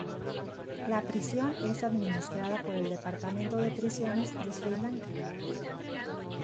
La prisión es administrada por el Departamento de Prisiones de Sri Lanka.